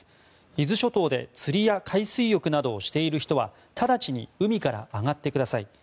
伊豆諸島で釣りや海水浴などをしている人は直ちに海から上がってください。